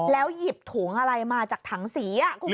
แล้วหยิบถุงอะไรมาจากถังสี